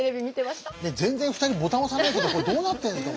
全然２人ボタン押さないけどこれどうなってるんですか？